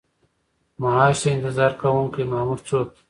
معاش ته انتظار کوونکی مامور څوک دی؟